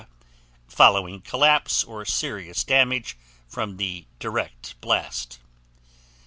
following collapse or serious damage from the direct blast.